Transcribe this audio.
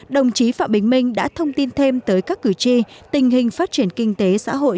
đồng chí phạm bình minh đã thông tin thêm tới các cử tri tình hình phát triển kinh tế xã hội